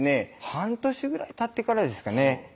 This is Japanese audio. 半年ぐらいたってからですかね